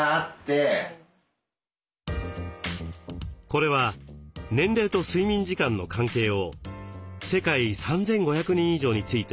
これは年齢と睡眠時間の関係を世界３，５００人以上について調べたもの。